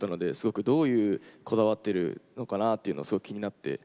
どういうこだわってるのかなっていうのをすごく気になって。